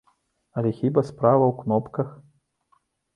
Але хіба справа ў кнопках?